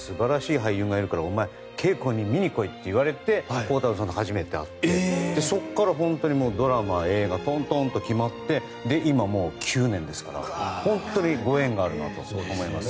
俳優がいるからお前、稽古に見に来いって言われて鋼太郎さんと初めて会ってそこから本当にドラマ、映画トントンと決まって今もう９年ですから本当にご縁があるなと思います。